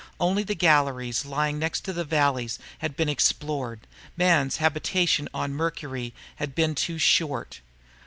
Only the galleries lying next the valleys had been explored. Man's habitation on Mercury had been too short.